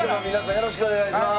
よろしくお願いします。